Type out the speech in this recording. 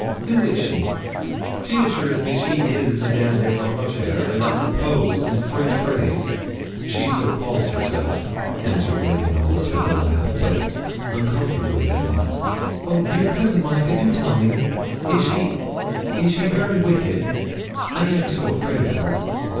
'Who is she?' 'She assures me she is Madame de la Rougierre, and, I suppose, in French phrase she so calls herself,' answered Lady Knollys, with a laugh, but uncomfortably, I thought. 'Oh, dear Cousin Monica, do tell me is she is she very wicked? I am so afraid of her!'